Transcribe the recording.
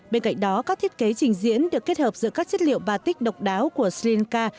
bên cạnh đó các thiết kế trình diễn được kết hợp giữa các chất liệu batic độc đáo của sri lanka